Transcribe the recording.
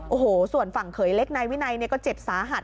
โอ้โหส่วนฝั่งเขยเล็กนายวินัยก็เจ็บสาหัส